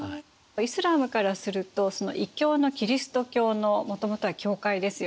イスラームからすると異教のキリスト教のもともとは教会ですよね。